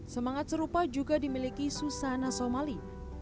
semangat serupa juga dimiliki susana somali